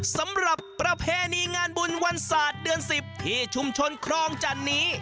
ประเพณีงานบุญวันศาสตร์เดือน๑๐ที่ชุมชนครองจันนี้